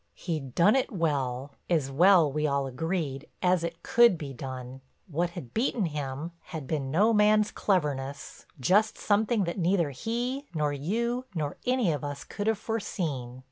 He'd done it well; as well, we all agreed, as it could be done. What had beaten him had been no man's cleverness, just something that neither he, nor you, nor any of us could have foreseen.